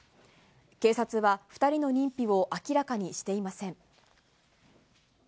警察は、２人の認否を明らかにしていません。